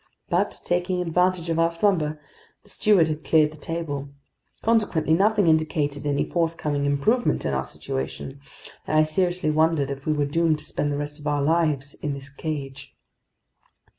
But, taking advantage of our slumber, the steward had cleared the table. Consequently, nothing indicated any forthcoming improvement in our situation, and I seriously wondered if we were doomed to spend the rest of our lives in this cage.